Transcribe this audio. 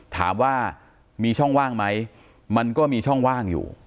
ถามว่ามีช่องว่างไหมมันก็มีช่องว่างอยู่